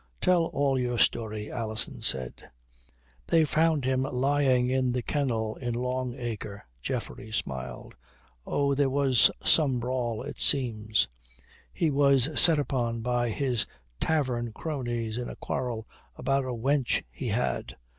Tell all your story," Alison said. "They found him lying in the kennel in Long Acre," Geoffrey smiled. "Oh, there was some brawl, it seems. He was set upon by his tavern cronies in a quarrel about a wench he had.